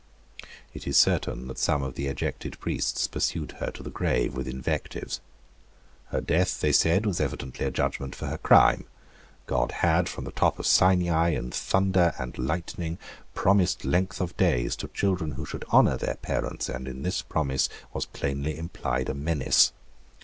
It is certain that some of the ejected priests pursued her to the grave with invectives. Her death, they said, was evidently a judgment for her crime. God had, from the top of Sinai, in thunder and lightning, promised length of days to children who should honour their parents; and in this promise was plainly implied a menace.